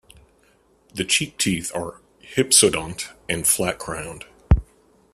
The cheek teeth are hypsodont and flat-crowned.